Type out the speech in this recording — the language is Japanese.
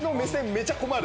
めちゃ困る。